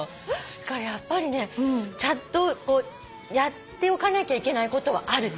だからやっぱりねちゃんとやっておかなきゃいけないことはある。